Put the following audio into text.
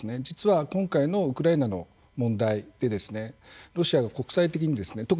実は今回のウクライナの問題でロシアが国際的にですね